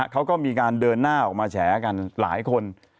เขาก็มีการเดินหน้าออกมาแฉกันหลายคน